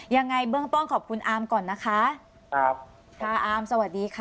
ยังไงเบื้องต้นขอบคุณอามก่อนนะคะครับค่ะอามสวัสดีค่ะ